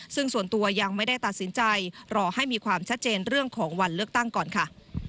ซึ่งส่วนตัวยังไม่ได้ตัดสินใจรอให้มีความชัดเจนเรื่องของวันเลือกตั้งก่อนค่ะ